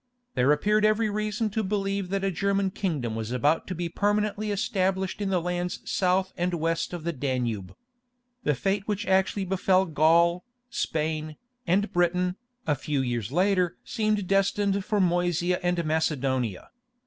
There appeared every reason to believe that a German kingdom was about to be permanently established in the lands south and west of the Danube. The fate which actually befell Gaul, Spain, and Britain, a few years later seemed destined for Moesia and Macedonia.